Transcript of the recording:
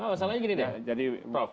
masalahnya gini prof